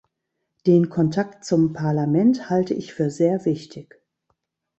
Den Kontakt zum Parlament halte ich für sehr wichtig.